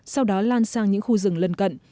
sau đó lan sang những khu rừng lần cận